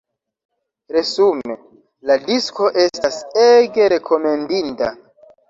Resume: la disko estas ege rekomendinda!